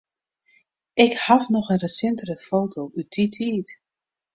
Ik haw noch in resintere foto út dy tiid.